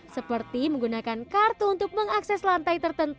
seperti menggunakan kartu untuk mengakses lift dan kecepatan lift di dunia emirat arab